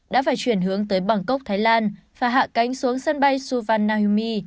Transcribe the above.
đã phải chuyển hướng tới bangkok thái lan và hạ cánh xuống sân bay suvarnahumi